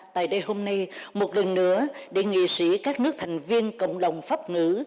tại đây hôm nay một lần nữa đề nghị sĩ các nước thành viên cộng đồng pháp ngữ